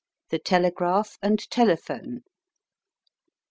THE TELEGRAPH AND TELEPHONE.